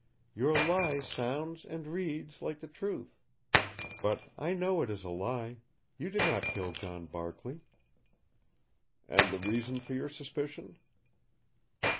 Your lie sounds and reads like the truth. But I know it is a lie. You did not kill John Barkley." "And the reason for your suspicion?"